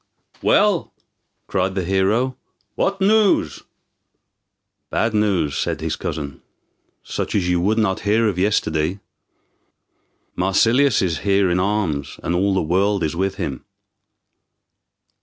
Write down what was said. "Well," cried the hero, "what news?" "Bad news," said his cousin, "such as you would not hear of yesterday. Marsilius is here in arms, and all the world is with him."